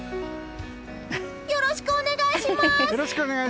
よろしくお願いします！